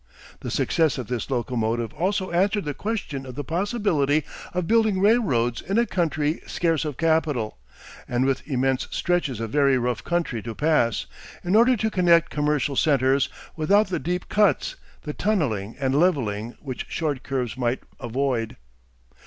The success of this locomotive also answered the question of the possibility of building railroads in a country scarce of capital, and with immense stretches of very rough country to pass, in order to connect commercial centres, without the deep cuts, the tunneling and leveling which short curves might avoid.